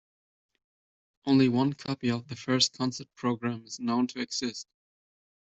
Only one copy of the first concert program is known to exist.